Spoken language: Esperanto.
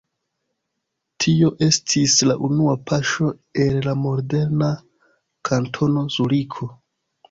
Tio estis la unua paŝo al la moderna Kantono Zuriko.